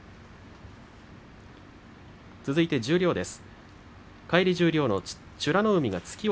続いて十両です。